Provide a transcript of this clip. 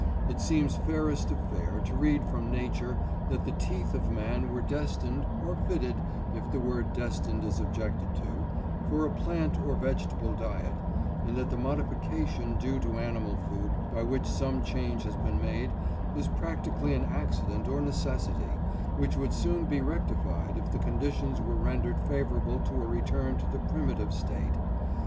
It seems fairest of fair to read from nature that the teeth of man were destined—or fitted, if the word destined is objected to—for a plant or vegetable diet, and that the modification due to animal food, by which some change has been made, is practically an accident or necessity, which would soon be rectified if the conditions were rendered favourable to a return to the primitive state....